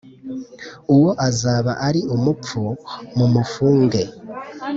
uwo azaba ari umupfu mumufunge